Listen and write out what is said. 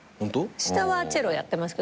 下はチェロやってます。